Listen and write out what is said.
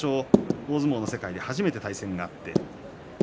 大相撲の世界で初めて対戦がありました。